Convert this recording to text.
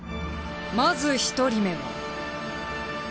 まず１人目は。